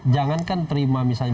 jangan kan terima misalnya